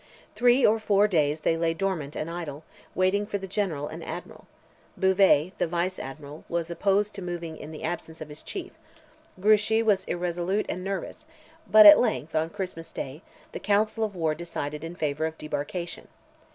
Three or four days they lay dormant and idle, waiting for the General and Admiral; Bouvet, the Vice Admiral, was opposed to moving in the absence of his chief; Grouchy was irresolute and nervous; but at length, on Christmas day, the council of war decided in favour of debarkation.